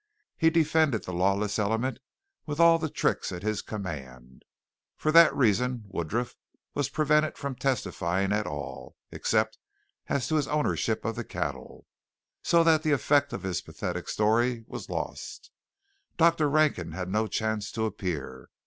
He defended the lawless element with all the tricks at his command. For that reason Woodruff was prevented from testifying at all, except as to his ownership of the cattle; so that the effect of his pathetic story was lost. Dr. Rankin had no chance to appear.